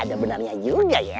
ada benarnya juga ya